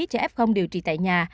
cho f điều trị tại nhà